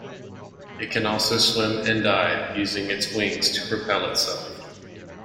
It can also swim and dive using its wings to propel itself.